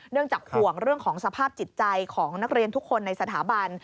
จากห่วงเรื่องของสภาพจิตใจของนักเรียนทุกคนในสถาบัน